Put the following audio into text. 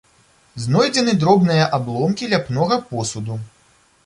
Знойдзены дробныя абломкі ляпнога посуду.